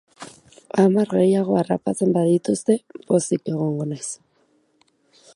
Hamar gehiago harrapatzen badituzte, pozik egongo naiz.